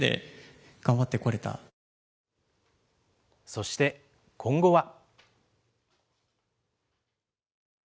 そして今後は。